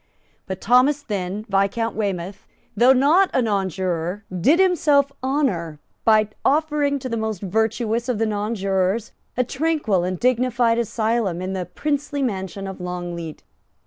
But Thomas Thynne, Viscount Weymouth, though not a nonjuror, did himself honour by offering to the most virtuous of the nonjurors a tranquil and dignified asylum in the princely mansion of Longleat.